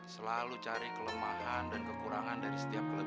selalu cari kelemahan dan kekurangan dari setiap kelebihan